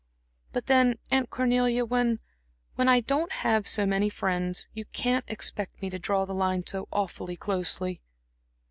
But then, Aunt Cornelia, when when I don't have so many friends, you can't expect me to draw the line so awfully closely."